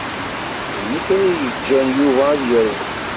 D nekk ay yejjan Yuba ad yerwel.